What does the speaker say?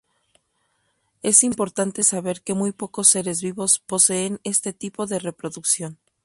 Es importante saber que muy pocos seres vivos poseen este tipo de reproducción.